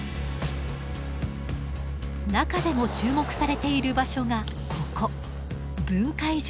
中でも注目されている場所がここ分界条